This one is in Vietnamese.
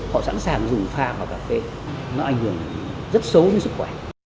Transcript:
họ sẵn sàng dùng pha vào cà phê nó ảnh hưởng rất xấu đến sức khỏe